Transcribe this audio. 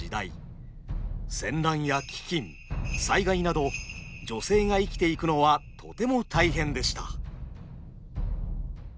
戦乱や飢きん災害など女性が生きていくのはとても大変でした。